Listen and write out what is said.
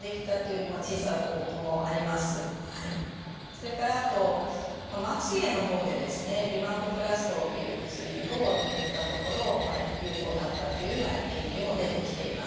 それからあとまつげの方でですねビマトプラストという薬を塗ったところ有効だったというような研究も出てきています。